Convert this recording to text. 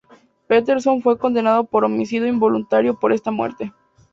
Pettersson fue condenado por homicidio involuntario por esta muerte.